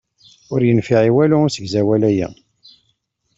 Ur yenfiɛ i walu usegzawal-ayi.